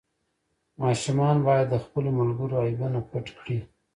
ماشومان باید د خپلو ملګرو عیبونه پټ کړي.